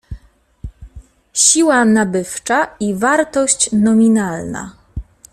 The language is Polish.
Siła nabywcza i wartość nominalna.